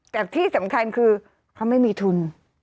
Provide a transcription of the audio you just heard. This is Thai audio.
แต่ที่สำคัญคือเขาไม่มีทุน